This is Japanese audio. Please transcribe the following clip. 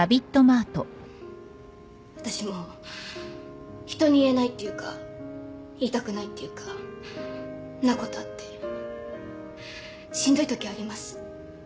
私も人に言えないっていうか言いたくないっていうかなことあってしんどいときあります。